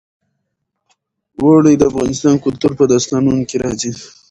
اوړي د افغان کلتور په داستانونو کې راځي.